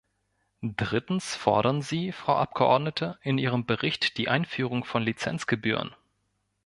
Drittens fordern Sie, Frau Abgeordnete, in Ihrem Bericht die Einführung von Lizenzgebühren.